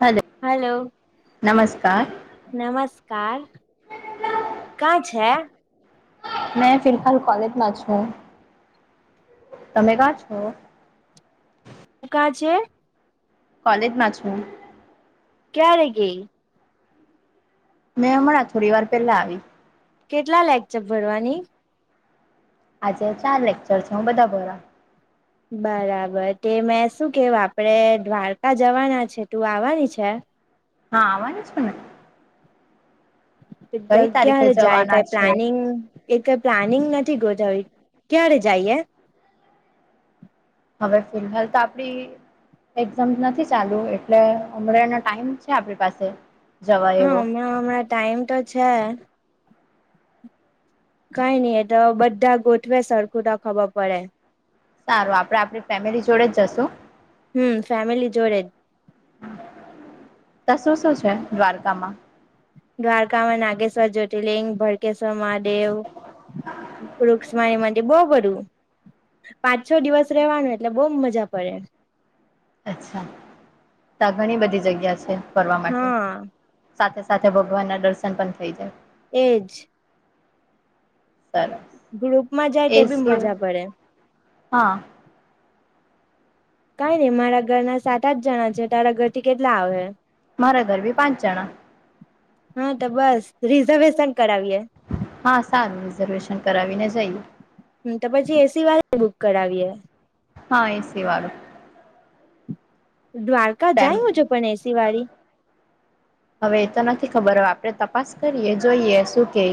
Hello. નમસ્કાર નમસ્કાર. કા છે? મેં ફિલહાલ કોલેજમાં છું. તમે કા છો? કા છે? કોલેજમાં જ છું. ક્યારેે ગેઈ? મેં હમણાં થોડી વાર પેલા આવી. કેટલા લેકચર ભરવાની? આજે ચાર લેક્ચર છે. હું બધા ભરા. બરાબર. તે મેં શું કેહેવા, આપણેે દ્વારકા જવાના છે. તું આવવાની છે? હા, આવાની છું ને. તતો કઈ તારીખે ક્યારે જાય ક જવાના એ છે પ્લાનિંગ એ કઈ પ્લાનિંગ નથી ગોતાવી. ક્યારે જઈએ? હવે, ફિલહાલ તો આપણી એક્ઝામ નથી ચાલુ, એટલે હમણાં એનો ટાઈમ છે આપણી પાસે. જવાય હા, એવો હમણાં, હમણાં ટાઈમ તો છે. કઈ નઈ એ તો બધા ગોઠવે સરખુંટ ખબર પડે. સારું આપણે, આપણી ફેમિલી જોડે જ જશું. હમ, ફેામિલી જોડે જ. તો સું શું છે? દ્વારકામાં. દ્વારકામાં નાગેશ્વર જ્યોતિર્લિંગ, ભડકેશ્વર મહાદેવ. વૃક્ષ માણી માટે બહુ બઘું. પાંચ છ દિવસ રહેવાનું, એટલે બહુ મજા પડે. અચ્છા. તો ઘણી બધી જગ્યા છે ફરવા માટે. હા સાથે સાથે ભગવાનના દર્શન પણ થઇ જાય. એજ. સરસ ગ્રુપમાં જાય તે બી એસી મજા પડે. હા. કઈ નઈ, મારા ઘરના સાત, આઠ જણા છે. તારા ઘરથી કેટલા આવે? મારા ઘર બી પાંચ જણા. હા, તો બસ રિઝર્વેશન કરાવીએ. હા, સારું. રિઝર્વેશન કરાવીને જઈએ. હમ. તો પછી એસી વાળા બુક કરાવીએ. હા, એસી વાળો? દ્વારકા તેમ જાય હ છો પણ એસી વાળી.? હવે, એ તો નથી ખબર હ, આપણે તપાસ કરીએ જોઈએ શું કે?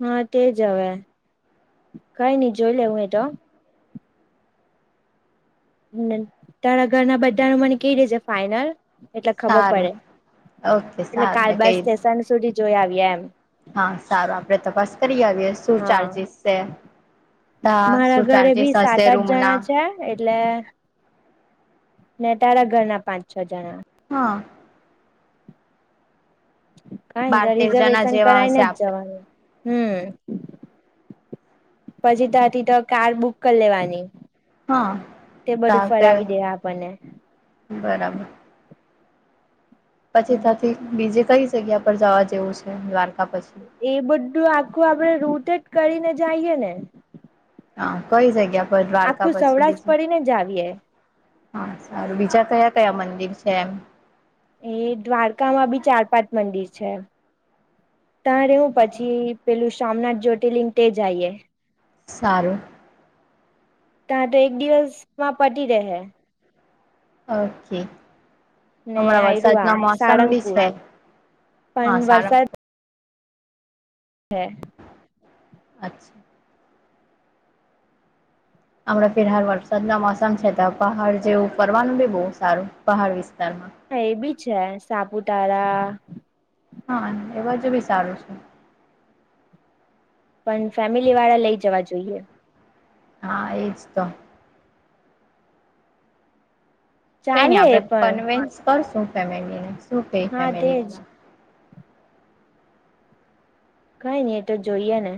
હા, તેજ હવે કઈ નઈ જોઈ લે હું તો તારા ઘરના બધાનું મને કેઈ રેજ ફાઈનલ? એટલે ખબર સારું પડે. ઓકે એટલે સારું મેં કહી કાલબાલ દઉં સ્ટેશન સુધી જોઈ આવ્યે એમ. હા, સારું. આપણે તપાસ કરી આવીએ. શું હા ચાર્જીિસ છે? હા મારા શું ઘરે બી ચાર્જીિસ સાત હશે આઠ જણા રૂમના? છે એટલે ને તારા ઘરના પાંચ છ જણા હા. બાર કઈ તેર જણા રિઝર્વેશન જેવા હશે કરાયને જ આપડે જવાનું હમ પછી તથી તો કાર બુક કરી લેવાની હા તે તા બધું તે ફરવી દે આપણને બરાબર. પછી થથી બીજી કઈ જગ્યા પર જવા જેવું છે દ્વારકા પછી એ બધું આખું આપડે રૂટે જ કરીને જઈએ ને હા કઈ જગ્યા પર દ્વારકા આખું પછી સૌરાષ્ટ્ર બીજું ફરીને જ આવીએ હા સારું બીજા કયા કયા મંદિર છે એમ એ દ્વારકામાં બી ચાર પાંચ મંદિર છે. તારે હું પછી પેલું સોમનાથ જ્યોતિલિંગ તે જઈએ સારું ત્યાં તો એક દિવસ માં પટી રહે ઓકે ને હમણાં આયરુ વરસાદ આ મા મોસમ ભી સાળંગપુર છે હા પણ સારા વરસાદ [unintelligible] અચ્છા હમણાં ફિરહાલ વરસાદના મોસમ છે તો પહાડ જેવું ફરવાનું બી બહુ સારું પહાડ વિસ્તારમાં હ એ બી છે સાપુતારા હા એ બાજુ બી સારું છે. પણ ફેમિલી વાળા લઈ જવા જોઈએ હા એજ તો કઈ ન ચાલે આપણે પણ કન્વિન્સ કરશું ફેમિલીને શું ક હા ફેમ તેજ કઈ નઈ એ તો જોઈએ ને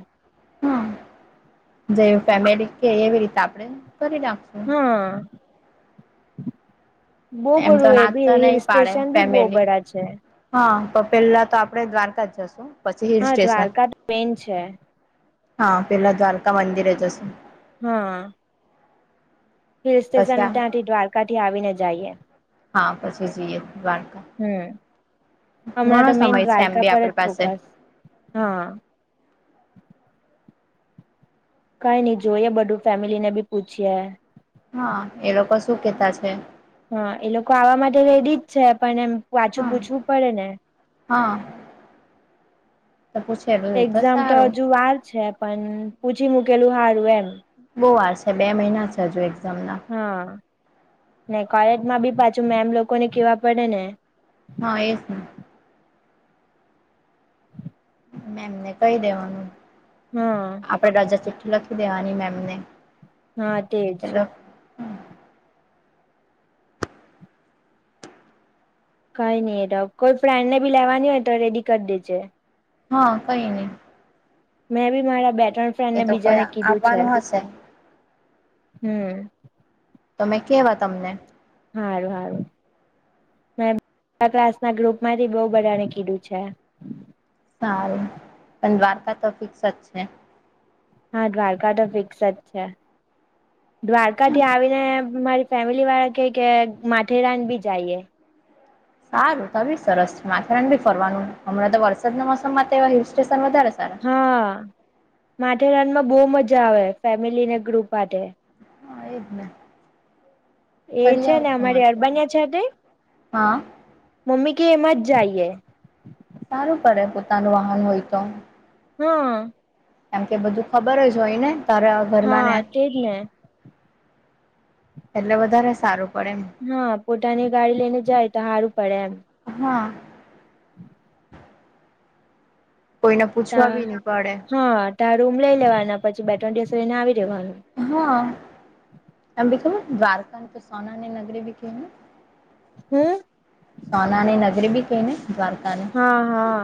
હા જેવી ફેમિલી કે એવી રીતે આપણે કરી નાખશું હ બહ એમ તો બધું એ ના તો બી હિલ નહી પાડે સ્ટેશન બી બહુ ફેમિલી બધા છે. હા તો પેલા તો આપડે દ્વારકા જ જશુ હા દ્વારકા તો મેન છે. હા પેલા દ્વારકા મંદિરે જ જાસુ હ હિલ પછી સ્ટેશન આ ત્યાંથી દ્વારકા થી આવીને જઈએ હા પછી જઈએ દ્વારકા હમ હમણાં તો ઘણો મેન સમય છે એમ દ્વારકા બી પર જ આપણી પાસે ફોકસ હા. કઈ નહી જોઈએ બધું ફેમિલી ને ભી પૂછીએ હા એ લોકો શું કેતા છે. હા એ લોકો આવા માટે રેડી જ છે પણ એમ પાછું હા પૂછવું પડે ને હા તો પછી એક્ઝામ તો હજુ વાર છે પણ પૂછી મૂકેલું સારું એમ બહુ વાર છે બે મહિના જ હજુ એક્ઝામ ના હા ને કોલેજમાં બી પાછું મેમ લોકોને કહેવા પડે ને હા એ જ ને મે એમને કહી દેવાનું હા આપણેે રાજા ચિઠ્ઠી લખી દેવાની મેમને હા તેજ એ્ કઈ નઈ કોઈ ફ્રેન્ડ ને બી લેવાની હોય તો રેડી કરી દેજે હા કઈ નહી મેં બી મારા બેટન એ ફ્રેન્ડને તો કોઈ બીજાને કીધું છે આવવાનું હશે હમ તમે કેવા તમને હારું હારું મે ક્લાસ ના ગ્રુપ માંથી બહુ બધાને કીધું છે. સારું પણ દ્વારકા તો ફિક્સ જ છે. હા દ્વારકા તો ફિક્સ જ છે. દ્વારકા થી આવીને મારી ફેમિલી વાળા કે કે માથેરાન બી જઈએ સારું ત બી સરસ છે માથેરાન ભી ફરવાનું હમણાં તો વરસાદના મોસમમાં તો એવા હિલ સ્ટેશન વધારે સારું હા, માથેરાનમાં બહુ મજા આવે ફેમિલીને ગ્રુપ માટે. એ જને. એ છે ને અમારી અરબાનીયા સાથે, હા મમ્મી કે એમાં જ જઈએ. સારું કરે પોતાનું વાહન હોય તો. હમ. કેમ કે બધું ખબર જ જ હોય ને તારે ઘરમાં ને. હા તેજ ને એટલે વધારે સારું. પડે હા પોતાની ગાડી લઈને જાય તો સારું પડે એમ. હા. કોઈને પૂછવા બી નહી પડે. ત્યાં રૂમ લઈ લેવાના પછી બે ટ્રન્ટસને આવી રહેેવાનું. હા, અી ખબર દ્વારકાં તો સોનાની નગરી ભી કેવાય. હમ. સોના અનેની નગરી બ ક ને દ્વારકાની? હા હા.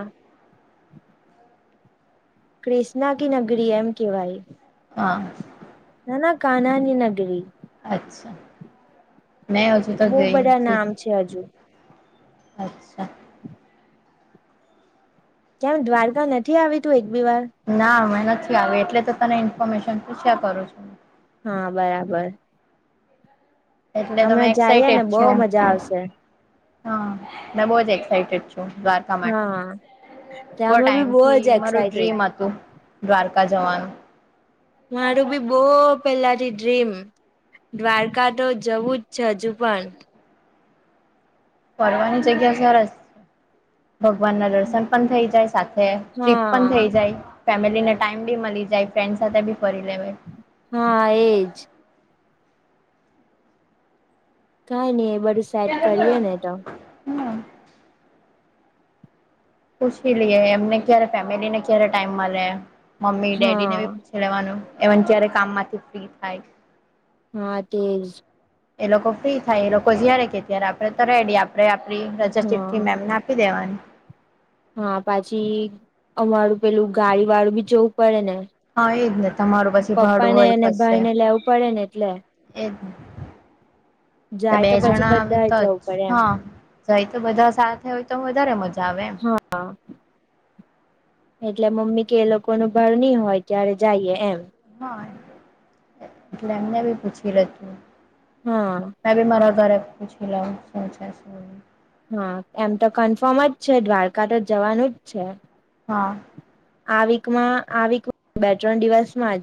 ક્રૃષ્ના ક નગરી એમ કવાય. હા. ના ના કાનની નગરી. અચ્છા. મેં હજુ તો બઉુ ગઈ બધા નથી નામ છે હજુ. અચ્છા. કેમ દ્વારકા નથી આવી તું એક બે વાર? ના મેં નથી આવ્યું એટલે તો તને ઇન્ફોર્મેશન પૂછ્યા કરું છું. હા બરાબર. એટલે તમે હમણાં જઈએ એટે ને બો છો, મજા આવશે હ મે બ જક્ટે છ દ્વારકા માટે, હા ત્યાં બોવ અમે બી બો ટમથી જ મારું એક્સાઇટેડ ડ્રીમ હતું. દ્વારકા જવાનું. મારું બી બહુ પેલાથી ડ્રીમ. દ્વારકા તો જવું જ છે હજુ પણ. ફરવાની જગ્યા સરસ. ભગવાન ના દર્શન પણ થઈ જાય સાથે ટ્રીપ પણ થઇ હા જાય. ફેમિલીને ટાઈમ બી મળી જાય ફ્રેન્ડ સાથે બી ફરી લેવાય. હા એજ. કઈ નઈ એ બધું સેટ કરીએ ને તો. હમ પૂછી લએ એમને ક્યારે ફેમિલી ને ક્યારે ટાઇમ મળે, મમ્મી ડેડી ને હા બી પૂછી લેવાનું એ ત્યારે કામ માંથી ફ્રી થાય. હા તેજ. એ લોકો ફ્રી થાય એ લોકો જય્યારે કે ત્યારે આપડે તો રેડી આપડે આપ રજા હા ચિઠ્ઠી મેમને આપ દેવાની. હા પછી અમારું પેલું ગાડી વાળું બી જવું પડે ને. હા એજ ને તમારું પછી પપ્પા ભાડું ને હોય અને કશે ભાઈ ને લેવું પડે ને એટલે. એજ, તો બે જાય પછી જણા આવે બધા તો જ જવું પડે એમ હા. જાય તો બધા સાથે હોય તો વધારે મજા આવે એમ. હા એટલે મમ્મી કે એ લોકો ન ભર નહી હોય ત્યારે જઈએ એમ. હા એટલે એમને બી પૂછી રહું. હા. મેં બી મારા ઘરે પૂછી લઉ હા એમ તો કન્ફર્મ જ છે દ્વારકા તો જ જવાનું જ છે. હા આ વીકમાં આવીક બે ત્રણ દિવસમાં જ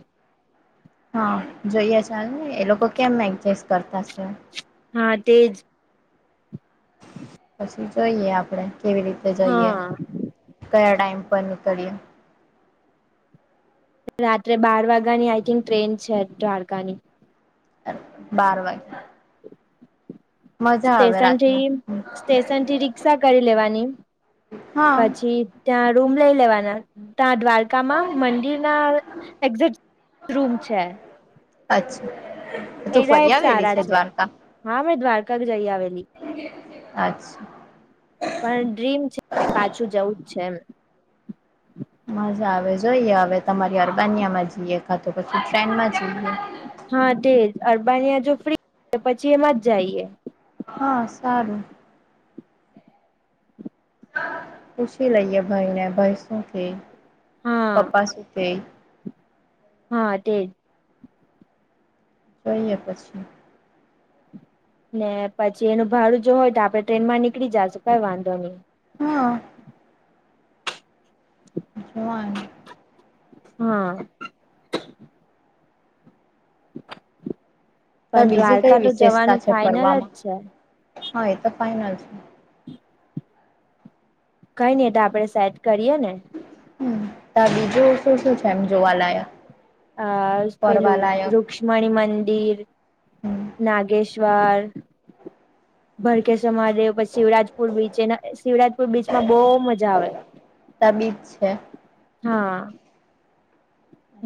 હા જઈએ જ આવવાનું એ લોકો કેમ નાહી જાય છે એમના બાપના ધરે. હા તે જ જોઈએ આપણેે કેવી રીતે જઈએ હા કયા ટાઈમ પર નીકળીએ રાત્રે બાર વાગ્યાની આઈ થિંક ટ્રેન છે દ્વારકાની બાર વાગ્યા આવે રાતના સ્ટેશનથી સ્ટેશનથી રિક્ષા કરી લેવાની હા પછી ત્યાં રૂમ લઈ લેવાના ત્યાં દ્વાર તમામ મંદિરના એક્ઝેટ રૂમ છે. અચ્છા. તું એના ફરી એ આવેલી સારા છે. દ્વારકા હા મેં દ્વારકા જઈ આવેલી અચ્છા. પણ ડ્રીમ છે પાછું જવું જ છે એમ મજા આવે જોઈએ હવે તમારી અરબનિયામાં જઈએ કા તો પછી ટ્રેનમાં જઈએ હા તેજ અરબાની જો ફ્રી પછી એમ જ જઈએ. હા સારું. પૂછી લઈએ ભાઈને ભાઈ શું કેય, હા પપ્પા શું કેય. હા તે જ જોઈએ પછી ને પછી એનું ભાડું જો હોય તો આપડણે ટ્રેન માં નીકળી જશું કઈ વાંધો નહી [inaudible] [inaudible] [inaudible] પણ બીજી દ્વારકા કઈ તો વિશેષતા જવાનું છે ફાઈનલ જ ફરવામાં છે હા એ તો ફાઈનલ છે. કઈ નઈ એ તો આપડે સેટ કરીએ ને ત્યાં બીજું શું શું છે એમ જોવાનું એમ. આ પેલું ર લક્ષ્મણી મંદિર, હમ નાગેશ્વર [inaudible] ભરકેશ્વ મહાદેવ પછી શિવરાજપુર બીચ એના શિવરાજપુર બીચમાં બહુ મજા આવે ત્યાં બ્રિજ છે. હક.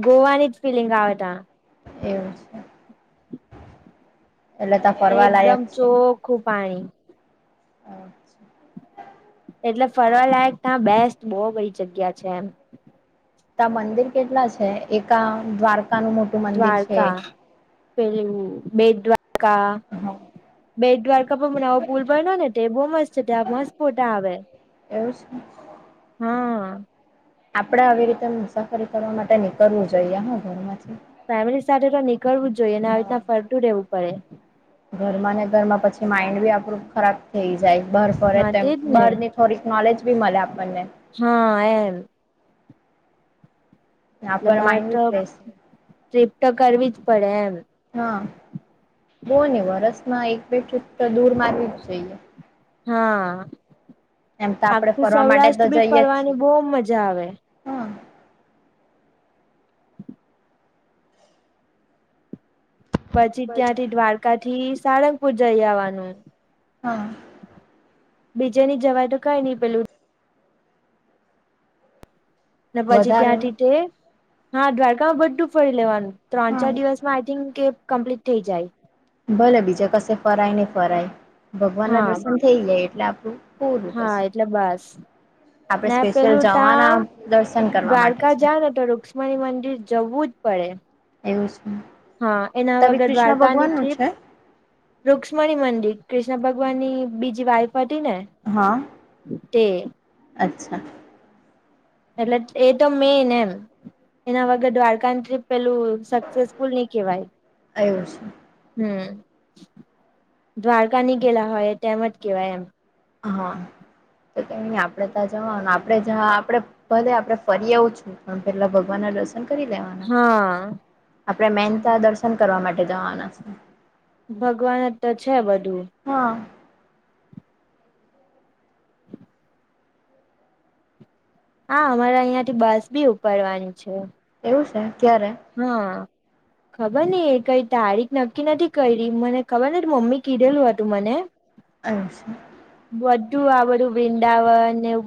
ગોવાની જ ફિલિંગ આપતા એવું છે. એટલે ત્યાં એકદમ ફરવાલાયક છે ચોખ્ખું પાણી એટલે ફરવાલાયક ત્યાં બેસ્ટ બહુ બધી જગ્યા છે એમ તો મંદિર કેટલા છે? એક આ દ્વારકાનું મોટું મંદિર છે. એવું બેટ દ્વારકા હા બેડ દ્વારકા પણ મનાવો પુલ પર ન ને તે બહુ મસ્ત છે ત્યાં મસ્ત ફોટા આવે એવ છે. હા. આપણેે આવી રીતે મુસાફરી કરવા માટે નીકળવું જોઈએ હું ઘરમાંથી ફેમિલી સાથે તો નીકળવું જ જોઈએ ને આ આવી હા રીતના ફરતું રહેવું પડે ઘરમાં ને ઘરમાં પછી માઇન્ડ બી આપણું ખરાબ થઈ જાય બહર ફરે હા એ તેજ ને બહારની થોડીક નોલેજ બી મળે આપણને હા એમ એટલે આપણ બાર માઇન્ડ બી તો ફ્રેશ થાય. ટ્રીપ તો કરવી જ પડે એમ. હા બહ ને વરસમાં એક બે છૂક તો દૂર મારવી જ જઈએ. હા એમ તો આપડે આખું ફરવા માટે તો સૌરાષ્ટ્ર બી જઈએ જ ફરવાની છીએ બહ મજા આવે. હા [inaudible] પછી ત્યાંથી દ્વારકા થી સારંગપુર જઈ આવવાનું. હા. બીજે ની જવાય તો કઈ નઈ પેલું? ને પછી વધારે ત્યાંથી તે હા દ્વારકામાં બધું ફરી લેવાનું. ત્રણ હા ચાર દિવસમાં આઈ થિંક કે કમ્પ્લીટ થઈ જાય. ભલે બીજા કશે ફરાય નને ફરાય. ભગવાન ના હા દર્શન થઈ જાય એટલે આપણું પૂરું. હા એટલે બસ આપડણે ને સ્પેશિયલ પેલું તા જવાના દર્શન કરવા માટે છે. મરી મંદિર જવું જ પડે. એવું જ. હા એના વગર દ્વારકાની ટ્રીપ. રુક્ષ્મણી મંદિર ક્રિષ્ણ ભગવાનની બીજી વાઈફ હતી ને. હા તે અચ્છા. એટલે એ તો મેન એમ એના વગર દ્વારકા ટ્રીપ પેલું સક્સેસફુલ નહી કેહેવાય? એવું છે હમ દ્વારકા ની ગેલા હોય તેમજ કેવાય એમ. હા તો કેહી આપડે ત્યાં જવા આપડે જ આપડે બલેે આપડણે ફરી એવું છું? પણ પેલા ભગવાન ના દર્શન કરી લેવાનું. હા. આપે મહેનતા દર્શન કરવા માટે જવાના છે. ભગવાન તો છે બધું. હા. હા અમારા અહિયાં થી બસ બી ઉપાડવાની છે. એવું છે ક્યારે? હા. ખબર ને એ કઈ તારીખ નક્કી નથી કરી મને ખબર નથી મમ્મી કીધેલું હતું મને અરછા. બધું આ બધું વૃંદાવનને એવું બધુ